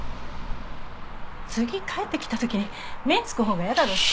次帰ってきたときに目につく方がやだろうし。